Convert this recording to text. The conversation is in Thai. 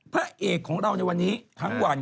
พระเอกของเราในวันนี้ทั้งวัน